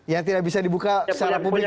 yang tidak bisa dibuka secara publik